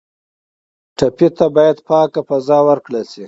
ټپي ته باید پاکه فضا ورکړل شي.